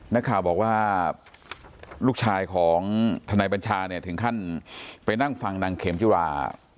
นักข่าวบอกว่าลูกชายของทนายบัญชาเนี่ยถึงขั้นไปนั่งฟังนางเข็มจิรา